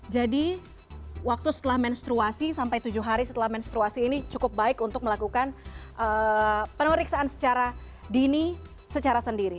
jadi waktu setelah menstruasi sampai tujuh hari setelah menstruasi ini cukup baik untuk melakukan peneriksaan secara dini secara sendiri